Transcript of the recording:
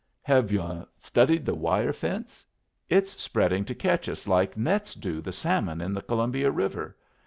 Have yu' studied the wire fence? It's spreading to catch us like nets do the salmon in the Columbia River.